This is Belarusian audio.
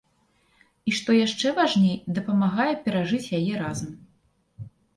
І што яшчэ важней, дапамагае перажыць яе разам.